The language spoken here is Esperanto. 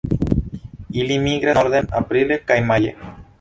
Ili migras norden aprile kaj maje.